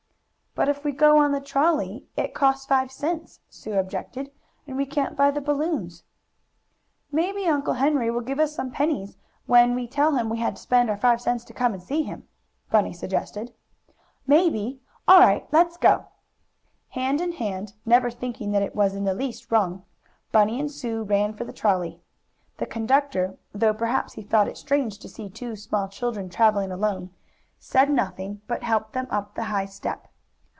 "But if we go on the trolley it costs five cents," Sue objected, "and we can't buy the balloons." "Maybe Uncle Henry will give us some pennies when we tell him we had to spend our five cents to come to see him," Bunny suggested. "Maybe. All right, let's go!" Hand in hand, never thinking that it was in the least wrong, Bunny and Sue ran for the trolley. The conductor, though perhaps he thought it strange to see two such small children traveling alone, said nothing, but helped them up the high step.